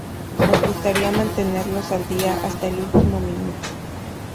Nos gustaría mantenerlos al día hasta el último minuto!